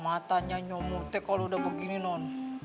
matanya nyomuknya kalau udah begini non